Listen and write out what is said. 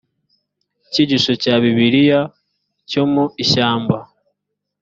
icyigisho cya bibiliya cyo mu ishyamba